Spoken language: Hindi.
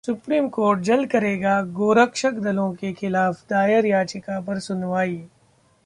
सुप्रीम कोर्ट जल्द करेगा गोरक्षक दलों के खिलाफ दायर याचिका पर सुनवाई